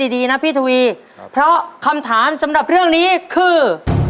ดีนะพี่ทวีเพราะคำถามสำหรับเรื่องนี้คือ